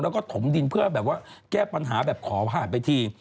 แล้วก็ถมดินเพื่อแบบว่าแก้ปัญหาแบบขอผ่านไปที